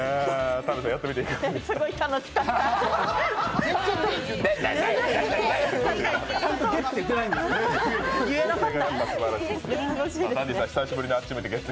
田辺さんやってみていかがでした？